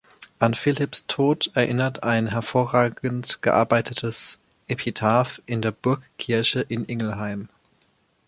An Philipps Tod erinnert ein hervorragend gearbeitetes Epitaph in der Burgkirche in Ingelheim.